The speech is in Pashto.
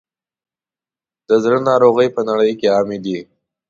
د زړه ناروغۍ په نړۍ کې عامې دي.